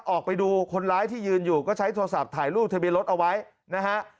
ออกไปดูคนร้ายที่ยืนอยู่ก็ใช้โทรศัพท์ถ่ายรูปทะเบียนรถเอาไว้นะฮะ